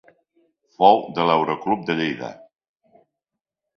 Fou de l'Aeroclub de Lleida.